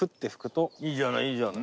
いいじゃないいいじゃない。